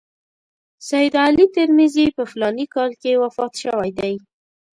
سید علي ترمذي په فلاني کال کې وفات شوی دی.